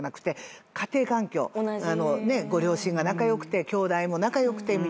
ご両親が仲良くてきょうだいも仲良くてみたいな。